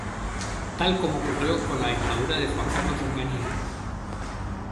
Tal como ocurrió como con la dictadura de Juan Carlos Onganía.